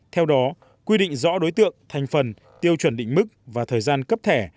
theo đó quy định rõ đối tượng thành phần tiêu chuẩn định mức và thời gian cấp thẻ